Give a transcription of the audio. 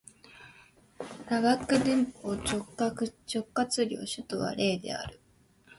ラダック連邦直轄領の首府はレーである